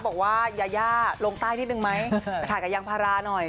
บอกว่ายายาลงใต้นิดนึงไหมจะถ่ายกับยางพาราหน่อย